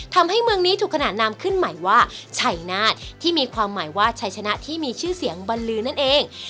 ทำให้เมืองนี้ถูกขนาดนามขึ้นใหม่ว่าชัยนาฏที่มีความหมายว่าชัยชนะที่มีชื่อเสียงบรรลือนั่นเอง